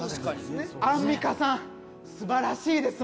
アンミカさん素晴らしいです